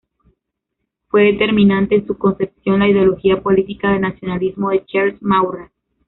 Fue determinante en su concepción la ideología política del nacionalismo de Charles Maurras.